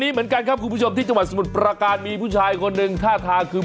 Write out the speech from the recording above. เหมือนกันครับคุณผู้ชมที่จังหวัดสมุทรประการมีผู้ชายคนหนึ่งท่าทางคือ